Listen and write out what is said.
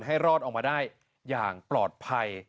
ให้รอดออกมาได้อย่างปลอดภัย